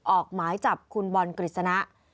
ออกหมายจับคุณบอลกฤษณะ